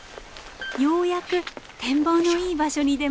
ようやく展望のいい場所に出ました。